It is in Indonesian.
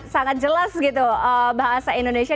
sangat jelas gitu bahasa indonesia